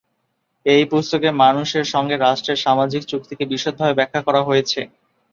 এই পুস্তকে মানুষের সঙ্গে রাষ্ট্রের সামাজিক চুক্তিকে বিশদভাবে ব্যাখ্যা করা হয়েছে।